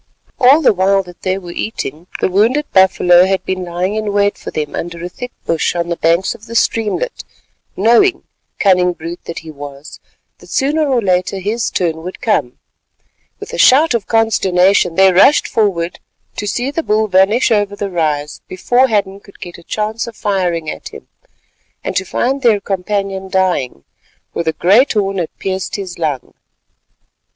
All the while that they were eating, the wounded buffalo had been lying in wait for them under a thick bush on the banks of the streamlet, knowing—cunning brute that he was—that sooner or later his turn would come. With a shout of consternation they rushed forward to see the bull vanish over the rise before Hadden could get a chance of firing at him, and to find their companion dying, for the great horn had pierced his lung.